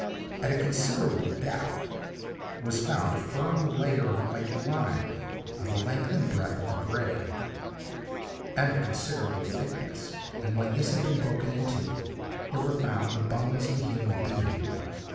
At a considerable depth was found a firm layer of white lime, of the length and breadth of a grave, and of considerable thickness, and when this had been broken into, there were found the bones of a human being.